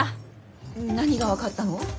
何が分かったの？